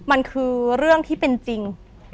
มันคือเรื่องที่เป็นจริง